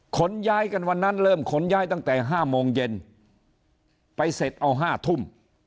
ขนย้ายกันวันนั้นเริ่มขนย้ายตั้งแต่๕โมงเย็นไปเสร็จเอา๕ทุ่ม